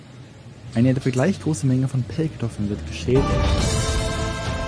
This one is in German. Eine etwa gleich große Menge von Pellkartoffeln wird geschält und gestampft.